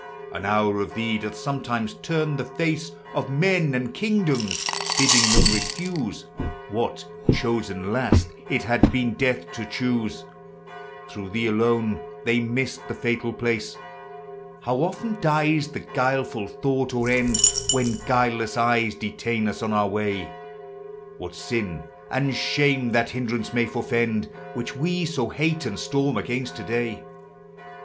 An hour of thee doth sometimes turn the face Of men and kingdoms, biddingthem refuse What, chosen last, it had been death to choosei Through thee alone, they missed the fatal place. How often dies the guileful thought or end When guileless eyes detain us on our way I What sin and shame that hindrance may forefend, Which we SO hate and storm against to day